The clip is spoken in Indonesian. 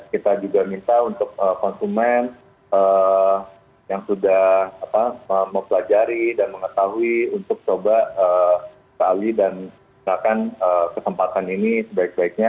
kita juga minta untuk konsumen yang sudah mempelajari dan mengetahui untuk coba sekali dan melakukan kesempatan ini sebaik baiknya